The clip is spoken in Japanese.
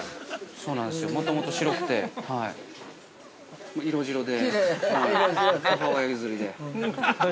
◆そうなんですよ、もともと白くて、色白で。